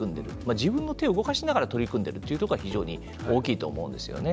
自分の手を動かしながら取り組んでいるというところが非常に大きいと思うんですよね。